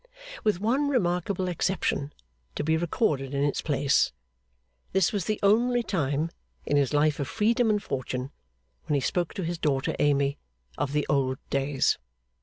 With one remarkable exception, to be recorded in its place, this was the only time, in his life of freedom and fortune, when he spoke to his daughter Amy of the old days.